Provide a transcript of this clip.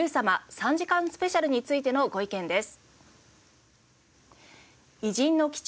３時間スペシャルについてのご意見です。